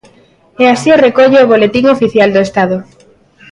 E así o recolle o Boletín Oficial do Estado.